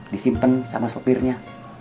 disimpen sama sopirnya